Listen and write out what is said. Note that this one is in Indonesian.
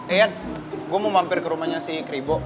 iyan gue mau mampir ke rumahnya si keribu